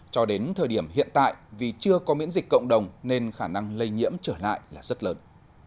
cho đến thời điểm hiện tại vì chưa có miễn dịch cộng đồng nên khả năng lây nhiễm trở lại là rất lớn